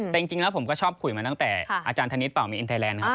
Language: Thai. แต่จริงแล้วผมก็ชอบคุยมาตั้งแต่อาจารย์ธนิษฐเปล่ามีอินไทยแลนด์ครับ